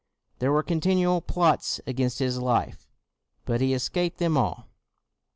There were continual plots against his life, but 252 CROMWELL he escaped them all.